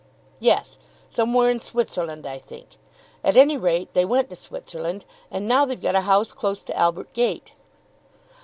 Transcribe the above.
"Yes, somewhere in Switzerland, I think. At any rate they went to Switzerland, and now they've got a house close to Albert Gate."